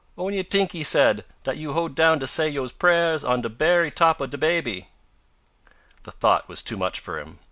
"On'y tink," said he, "dat you hoed down to say yous prayers on de berry top ob de babby!" The thought was too much for him.